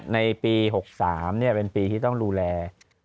ในปี๖๓เป็นปีที่ต้องดูแล